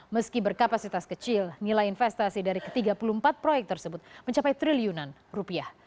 meski berkapasitas kecil nilai investasi dari ke tiga puluh empat proyek tersebut mencapai triliunan rupiah